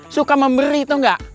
suka memberi tau gak